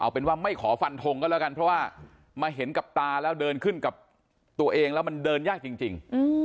เป็นว่าไม่ขอฟันทงก็แล้วกันเพราะว่ามาเห็นกับตาแล้วเดินขึ้นกับตัวเองแล้วมันเดินยากจริง